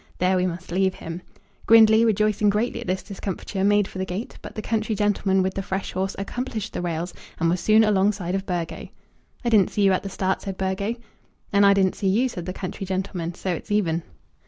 There we must leave him. Grindley, rejoicing greatly at this discomfiture, made for the gate; but the country gentleman with the fresh horse accomplished the rails, and was soon alongside of Burgo. "I didn't see you at the start," said Burgo. "And I didn't see you," said the country gentleman; "so it's even."